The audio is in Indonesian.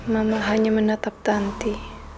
mama hanya menatap tanti